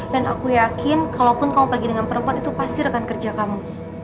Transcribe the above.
dan aku yakin kalaupun kamu pergi dengan perempuan itu pasti rekan kerja kamu